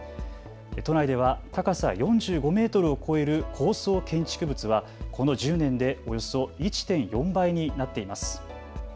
都内では高さ４５メートルを超える高層建築物はこの１０年でおよそ１．４倍になっています。